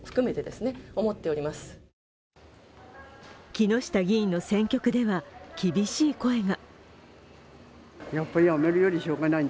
木下議員の選挙区では厳しい声が。